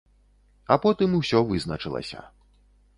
А потым усё вызначылася.